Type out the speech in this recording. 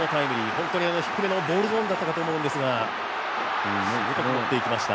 本当に低めのボールゾーンだったかと思いますが、よく持って行きました。